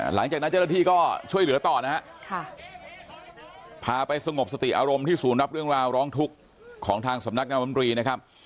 หลังจากนั้นเจ้าหน้าที่ก็ช่วยเหลือต่อนะฮะพาไปสงบสติอารมณ์ที่ศูนย์รับเรื่องราวร้องทุกข์ของทางสำนักงามรีนะครับ